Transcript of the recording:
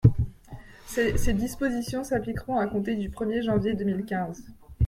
Ces dispositions s’appliqueront à compter du premier janvier deux mille quinze.